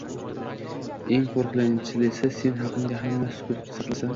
Eng qoʻrqinchlisi sen haqingda hamma sukut saqlasa